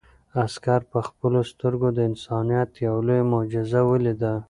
عسکر په خپلو سترګو د انسانیت یو لویه معجزه ولیده.